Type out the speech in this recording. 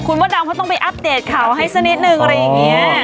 คุณมดดำเขาต้องไปอัปเดตข่าวให้สักนิดนึงอะไรอย่างนี้